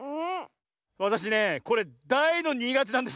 わたしねこれだいのにがてなんですよ。